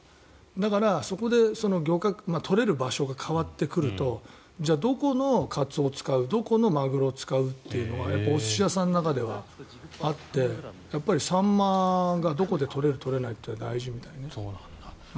それで取れる場所が変わってくるとじゃあ、どこのカツオを使うどこのマグロを使うというのがお寿司屋さんの中ではあってサンマがどこで取れる、取れないって大事みたいね。